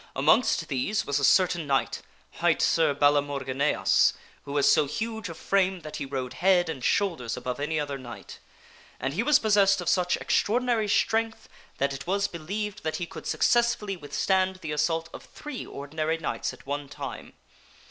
Amongst these was a certain knight, hight Sir Balamorgineas, who was SIR KAY BREAKS HIS SWORD , 5 so huge of frame that he rode head and shoulders above any other knight. And he was possessed of such extraordinary strength that it was believed that he could successfully withstand the assault of three ordinary knights at one time.